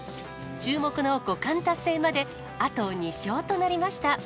ちゅうもくの五冠達成まであと２勝となりました。